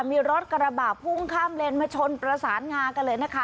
มีรถกระบะพุ่งข้ามเลนมาชนประสานงากันเลยนะคะ